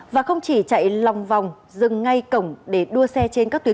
và không chỉ chạy lòng vòng dừng ngay cổng để đua xe trên các tuyến